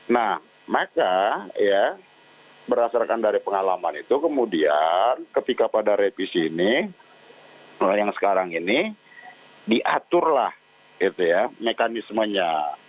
nah maka ya berdasarkan dari pengalaman itu kemudian ketika pada revisi ini yang sekarang ini diaturlah mekanismenya